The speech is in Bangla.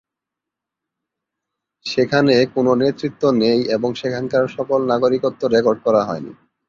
সেখানে কোনো নেতৃত্ব নেই এবং সেখানকার সকল নাগরিকত্ব রেকর্ড করা হয়নি।